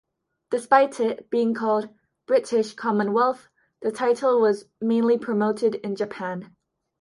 Despite it being called "British Commonwealth", the title was mainly promoted in Japan.